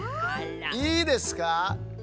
いいですか？